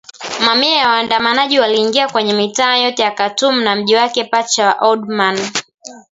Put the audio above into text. Mamia ya waandamanaji waliingia kwenye mitaa yote ya Khartoum na mji wake pacha wa Omdurman